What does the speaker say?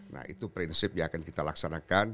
nah itu prinsip yang akan kita laksanakan